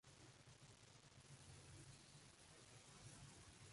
La información acumulada es difundida por el Consejo General del Instituto Federal Electoral.